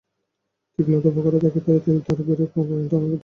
তীক্ষ্মতা ও প্রখরতার ক্ষেত্রে তিনি তরবারীরই উপমা ধারণ করতেন।